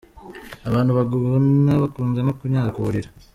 Abantu bagona bakunze no kunyara ku buriri.